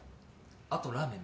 あとラーメン